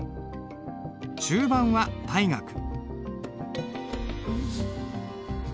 中盤は大河君。